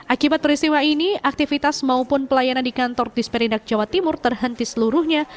akibat peristiwa ini aktivitas maupun pelayanan di kantor disperindak jawa timur terhenti seluruhnya